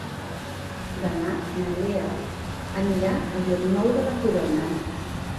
Demà na Lea anirà a Llocnou de la Corona.